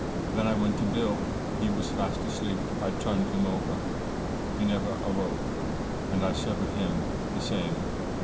Then I went to Bill. He was fast asleep. I turned him over. He never awoke, and I served him the same.